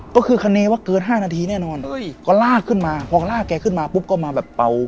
ก็คือคเนว่าเกินห้านาทีแน่นอนก็ลากขึ้นมาพอลากแกขึ้นมาปุ๊บก็มาแบบเป่า